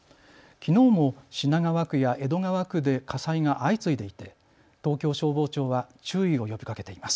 きのうも品川区や江戸川区で火災が相次いでいて東京消防庁は注意を呼びかけています。